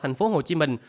thành phố hồ chí minh